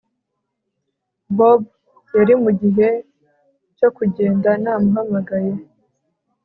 bob yari mugihe cyo kugenda namuhamagaye